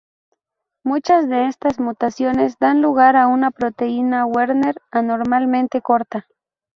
Muchas de estas mutaciones dan lugar a una proteína Werner anormalmente corta.